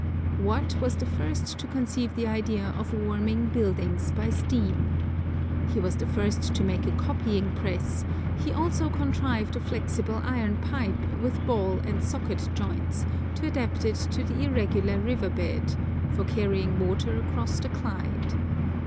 Watt was the first to conceive the idea of warming buildings by steam. He was the first to make a copying press; he also contrived a flexible iron pipe with ball and socket joints, to adapt it to the irregular riverbed, for carrying water across the Clyde.